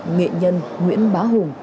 nghệ nhân nguyễn bá hùng